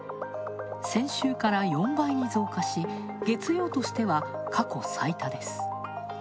先週から４倍に増加し、月曜としては過去最多です。